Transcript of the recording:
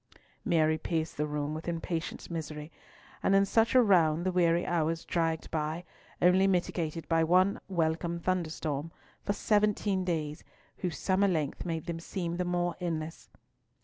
Mary paced the room with impatient misery, and in such a round the weary hours dragged by, only mitigated by one welcome thunderstorm, for seventeen days, whose summer length made them seem the more endless.